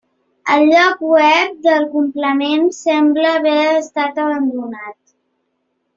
El lloc web del complement sembla haver estat abandonat.